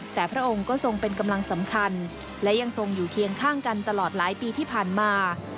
แต่พระองค์ก็ทรงเป็นกำลังสำคัญและยังทรงอยู่เคียงข้างกันตลอดหลายปีที่ผ่านมา